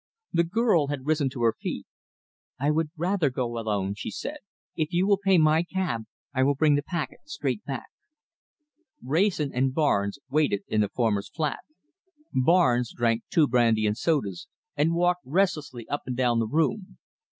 The girl had risen to her feet. "I would rather go alone," she said. "If you will pay my cab, I will bring the packet straight back." Wrayson and Barnes waited in the former's flat. Barnes drank two brandy and sodas, and walked restlessly up and down the room.